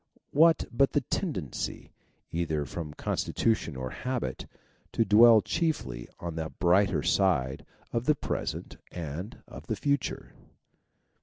What but the tendency, either from constitution or habit, to dwell chiefly on the brighter side both of the present and of the future